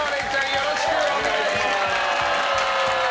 よろしくお願いします！